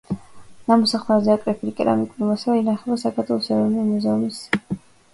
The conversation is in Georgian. ნამოსახლარზე აკრეფილი კერამიკული მასალა ინახება საქართველოს ეროვნული მუზეუმის გურჯაანის ისტორიულ-ეთნოგრაფიულ საცავში.